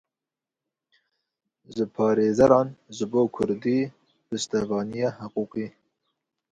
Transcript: Ji parêzeran ji bo kurdî piştevaniya hiqûqî.